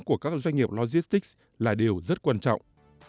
của các doanh nghiệp logistics là điều rất quan trọng